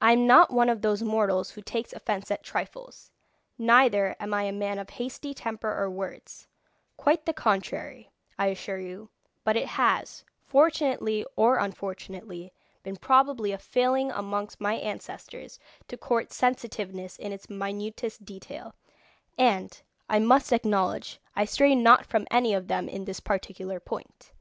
I am not one of those mortals who takes offence at trifles, neither am I a man of hasty temper or words quite the contrary, I assure you; but it has, fortunately or unfortunately, been probably a failing amongst my ancestors to court sensitiveness in its minutest detail, and, I must acknowledge, I stray not from any of them in this particular point.